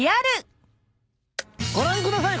ご覧ください